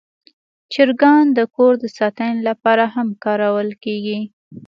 چرګان د کور د ساتنې لپاره هم کارول کېږي.